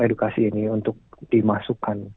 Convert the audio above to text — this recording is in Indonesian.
edukasi ini untuk dimasukkan